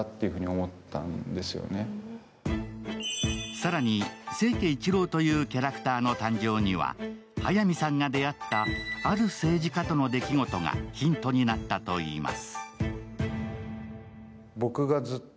更に、清家一郎というキャラクターの誕生には、早見さんが出会ったある政治家との出来事がヒントになったといいます。